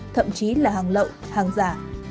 thậm chí là hàng lậu hàng giả